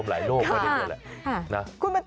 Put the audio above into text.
ส่งมา